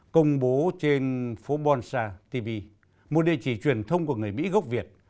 công bố trên phố bonsai tv một địa chỉ truyền thông của người mỹ gốc việt